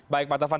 baik pak taufan